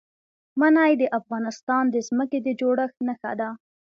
منی د افغانستان د ځمکې د جوړښت نښه ده.